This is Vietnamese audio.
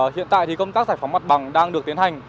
hiện tại thì công tác giải phóng mặt bằng đang được tiến hành